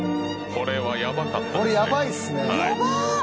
これヤバいっすね。